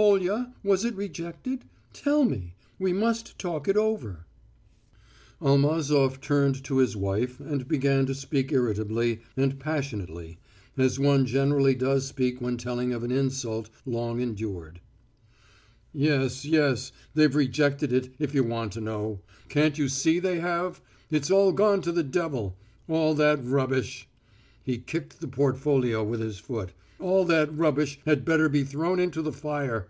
"Kolya, was it rejected? Tell me; we must talk it over together." Almazof turned to his wife and began to speak irritably and passionately, as one generally does speak when telling of an insult long endured. "Yes, yes. They've rejected it, if you want to know. Can't you see they have? It's all gone to the devil! All that rubbish" he kicked the portfolio with his foot "all that rubbish had better be thrown into the fire.